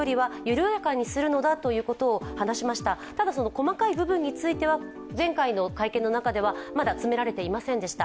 細かい部分については、前回の会見の中では詰められていませんでした。